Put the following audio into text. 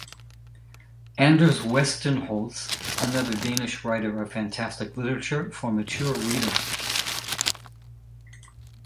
Anders Westenholz, another Danish writer of fantastic literature for mature readers.